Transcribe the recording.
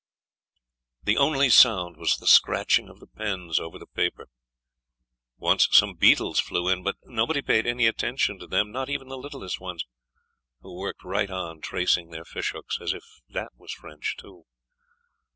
The only sound was the scratching of the pens over the paper. Once some beetles flew in; but nobody paid any attention to them, not even the littlest ones, who worked right on tracing their fishhooks, as if that was French, too.